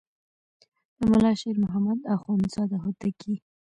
د ملا شیر محمد اخوندزاده هوتکی.